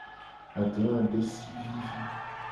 Agla desi vivi.